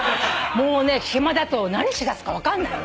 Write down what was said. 暇だと何しだすか分かんない。